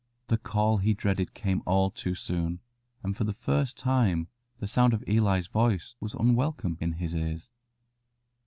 The call he dreaded came all too soon, and for the first time the sound of Eli's voice was unwelcome in his ears.